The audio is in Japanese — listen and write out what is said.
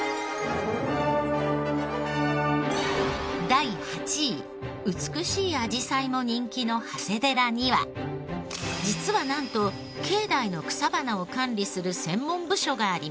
第８位美しいあじさいも人気の長谷寺には実はなんと境内の草花を管理する専門部署があります。